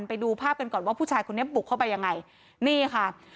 ไปดูภาพกันก่อนว่าผู้ชายคนนี้บุกเข้าไปยังไงนี่ค่ะ